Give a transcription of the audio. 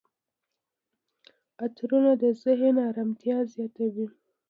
عطرونه د ذهن آرامتیا زیاتوي.